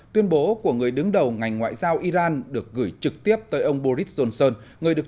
tuyên bố của người đứng đầu ngành ngoại giao iran được gửi trực tiếp tới ông boris johnson